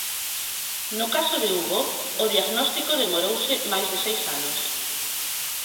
No caso de Hugo o diagnóstico demorouse máis de seis anos.